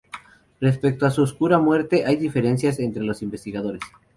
Respecto a su oscura muerte, hay diferencias entre los investigadores.